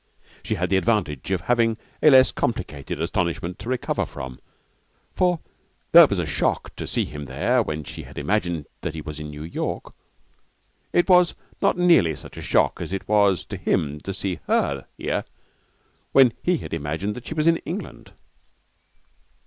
She had the advantage of having a less complicated astonishment to recover from, for, though it was a shock to see him there when she had imagined that he was in New York, it was not nearly such a shock as it was to him to see her here when he had imagined that she was in England.